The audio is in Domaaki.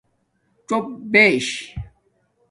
څݸپ بیش